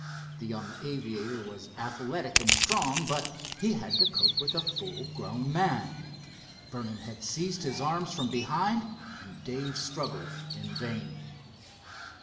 The young aviator was athletic and strong, but he had to cope with a full grown man. Vernon had seized his arms from behind and Dave struggled in vain.